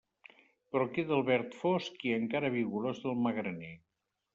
Però queda el verd fosc i encara vigorós del magraner.